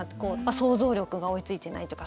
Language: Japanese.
想像力が追いついてないというか。